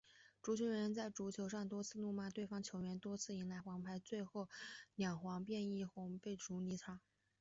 足球员在球场上多次怒骂对方球员，多次迎来黄牌，最后两黄变一红，被逐离场。